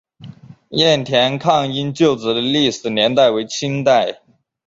雁田抗英旧址的历史年代为清代。